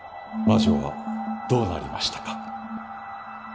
魔女はどうなりましたか？